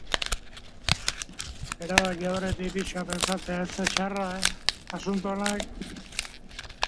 Gaurko erabakira iristeko bidea, ordea, luzea izan da.